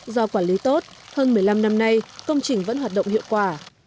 do quản lý tốt hơn một mươi năm năm nay công trình vẫn hoạt động hiệu quả